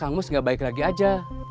kenapa kamu gak baik lagi aja